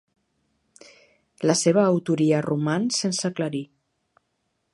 La seva autoria roman sense aclarir.